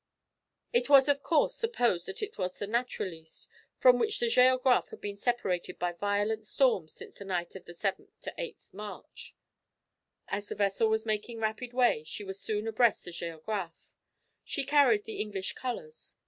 It was of course supposed that it was the Naturaliste, from which the Géographe had been separated by violent storms since the night of the 7 8 March. As the vessel was making rapid way, she was soon abreast of the Géographe. She carried the English colours.